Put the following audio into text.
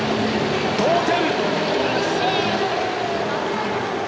同点！